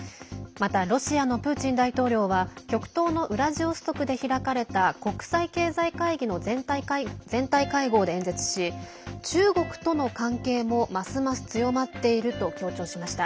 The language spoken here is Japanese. また、ロシアのプーチン大統領は極東のウラジオストクで開かれた国際経済会議の全体会合で演説し中国との関係も、ますます強まっていると強調しました。